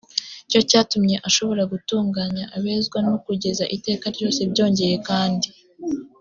cyo cyatumye ashobora gutunganya abezwa n kugeza iteka ryose byongeye kandi